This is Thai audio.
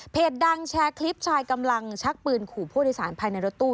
ดังแชร์คลิปชายกำลังชักปืนขู่ผู้โดยสารภายในรถตู้